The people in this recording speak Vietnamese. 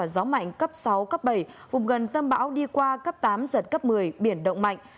gió mạnh cấp sáu cấp bảy vùng gần tâm bão đi qua cấp tám giật cấp một mươi biển động mạnh